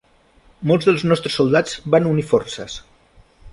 Molts dels nostres soldats van unir forces.